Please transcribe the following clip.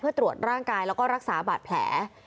เพื่อตรวจร่างกายแล้วก็รักษาบาดแผล